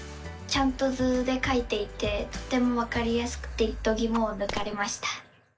ちゃんと図でかいていてとてもわかりやすくてどぎもをぬかれました！